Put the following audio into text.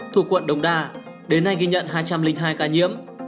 thuộc quận đồng đa đến nay ghi nhận hai trăm linh hai ca nhiễm